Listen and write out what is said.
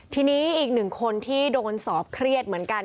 ทีนี้อีกหนึ่งคนที่โดนสอบเครียดเหมือนกัน